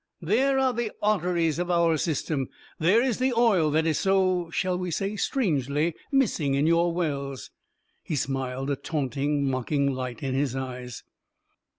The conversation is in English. "There are the arteries of our system. There is the oil that is so shall we say strangely? missing in your wells." He smiled, a taunting, mocking light in his eyes.